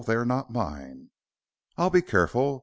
They are not mine." "I'll be careful.